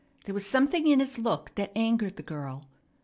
There was something in his look that angered the girl.